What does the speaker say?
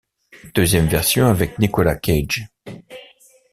Deuxième version avec Nicolas Cage.